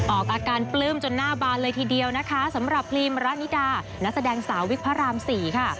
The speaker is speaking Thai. ออกอาการปลื้มจนหน้าบานเลยทีเดียวนะคะสำหรับพรีมระนิดานักแสดงสาววิกพระรามสี่ค่ะ